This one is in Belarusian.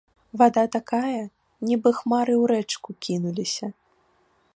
Вада такая, нібы хмары ў рэчку кінуліся.